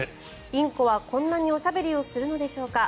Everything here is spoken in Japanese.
インコはこんなにおしゃべりをするのでしょうか。